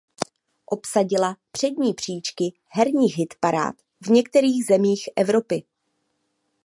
Obsadila přední příčky herních hitparád v některých zemích Evropy.